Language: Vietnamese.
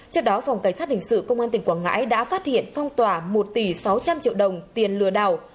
trước đó phòng cảnh sát hình sự công an tỉnh quảng ngãi đã phát hiện phong tỏa một tỷ sáu trăm linh triệu đồng tiền lừa đảo